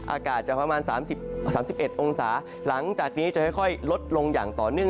อากาศจะประมาณ๓๑องศาหลังจากนี้จะค่อยลดลงอย่างต่อเนื่อง